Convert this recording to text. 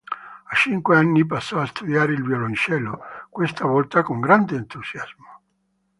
A cinque anni passò a studiare il violoncello, questa volta con grande entusiasmo.